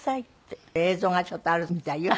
映像がちょっとあるみたいよ。